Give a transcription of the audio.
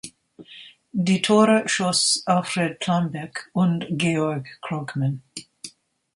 Die Tore schoss Alfred Plambeck und Georg Krogmann.